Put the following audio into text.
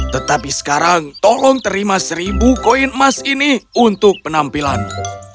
tetapi sekarang tolong terima seribu koin emas ini untuk penampilanmu